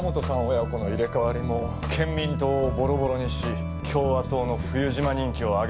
親子の入れ替わりも憲民党をボロボロにし共和党の冬島人気を上げるため。